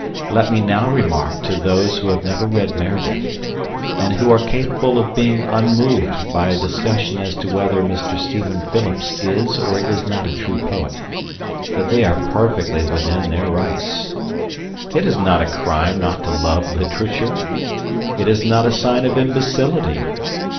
Let me now remark to those who have never read Meredith, and who are capable of being unmoved by a discussion as to whether Mr. Stephen Phillips is or is not a true poet, that they are perfectly within their rights. It is not a crime not to love literature. It is not a sign of imbecility.